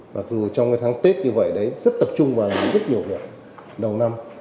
mặc dù trong tháng tết như vậy rất tập trung vào rất nhiều việc đầu năm